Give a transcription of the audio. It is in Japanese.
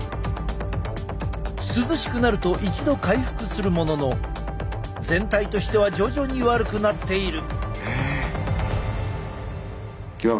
涼しくなると一度回復するものの全体としては徐々に悪くなっている。